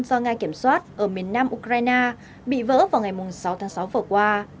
do nga kiểm soát ở miền nam ukraine bị vỡ vào ngày sáu tháng sáu vừa qua